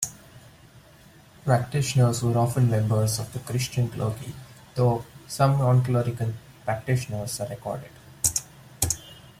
Practitioners were often members of the Christian clergy, though some nonclerical practitioners are recorded.